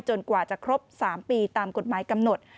กว่าจะครบ๓ปีตามกฎหมายกำหนด